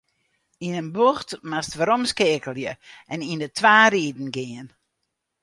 Yn in bocht moatst weromskeakelje en yn de twa riden gean.